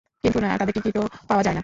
কিন্তু না, তাদের টিকিটিও পাওয়া যায় না।